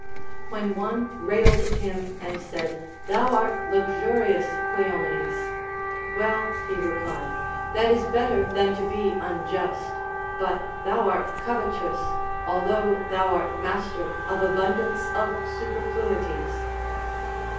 AVhen one railed at him, and said, Thou art luxurious, Cleomenes ; Well, he replied, that is better than to be unjust ; but thou art covetous, although thou art master of abundance of superfluities.